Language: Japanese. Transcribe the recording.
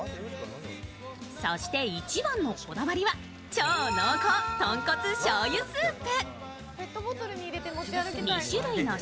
そして一番のこだわりは超濃厚豚骨しょうゆスープ。